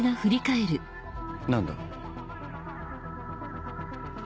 何だ？